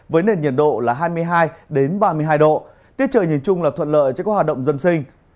với nền nhiệt độ là hai mươi hai ba mươi hai độ tiết trời nhìn chung là thuận lợi cho các hoạt động dân sinh